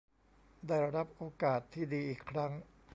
ได้รับโอกาสที่ดีอีกครั้ง